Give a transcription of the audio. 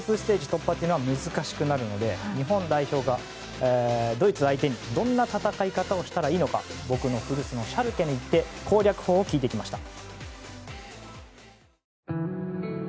突破は難しくなるので日本代表がドイツ相手にどんな戦い方をしたらいいのか僕の古巣のシャルケに行って攻略法を聞いてきました。